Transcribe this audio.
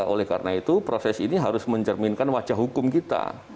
oleh karena itu proses ini harus mencerminkan wajah hukum kita